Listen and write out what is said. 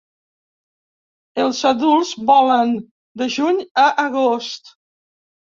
Els adults volen de juny a agost.